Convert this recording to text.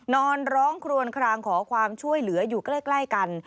นอนร้องครวนคลางขอความช่วยเหลืออยู่ใกล้กัน